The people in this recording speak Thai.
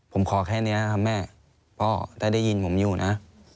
ผมขอแค่นี้ครับแม่พ่อถ้าได้ยินผมอยู่นะ